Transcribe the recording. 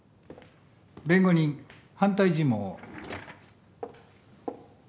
弁護人反対尋問を。